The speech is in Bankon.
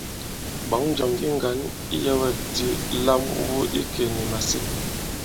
Ɓɔ̌ŋ njɔ̀m yi ŋgǎn iyɛ̄wɛ̂kdi lam wu ikè nì màsîn.